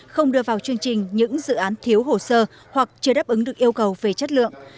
không đưa vào chương trình những dự án thiếu hồ sơ hoặc chưa đáp ứng được yêu cầu về chất lượng